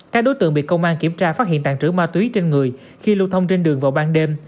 các đối tượng bị công an kiểm tra phát hiện tàn trữ ma túy trên người khi lưu thông trên đường vào ban đêm